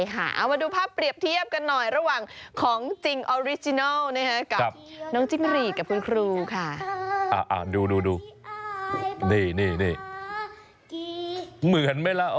เหมือนไม่รัก